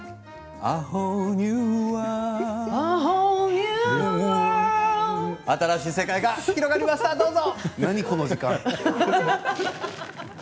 「ホール・ニュー・ワールド」新しい世界が広がりましたどうぞ。